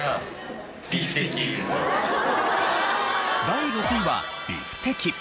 第６位はビフテキ。